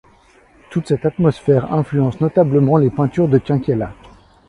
Toute cette atmosphère influence notablement les peintures de Quinquela.